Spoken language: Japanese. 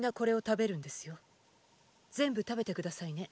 全部食べて下さいね。